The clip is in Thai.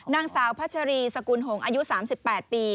นางสาวพัชรีสกุลหงษ์อายุ๓๘ปี